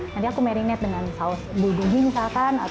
nanti aku marinate dengan saus buli misalkan